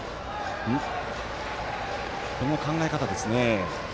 この考え方ですね。